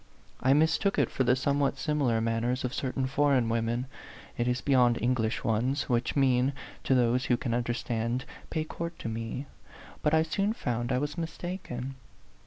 I mistook it for the somewhat similar man ners of certain foreign women it is beyond English ones which mean, to those who can understand, " Pay court to me." But I soon found I was mistaken.